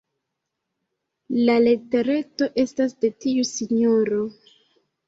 La letereto estas de tiu sinjoro.